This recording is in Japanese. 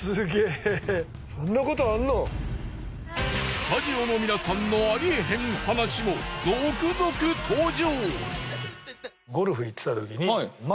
スタジオの皆さんのありえへん話も続々登場！